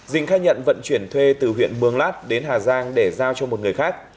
dình khai nhận vận chuyển thuê từ huyện mường lát đến hà giang để giao cho một người khác